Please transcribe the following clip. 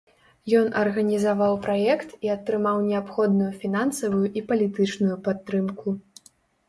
Ён арганізаваў праект і атрымаў неабходную фінансавую і палітычную падтрымку.